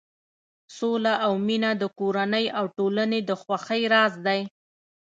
سوله او مینه د کورنۍ او ټولنې د خوښۍ راز دی.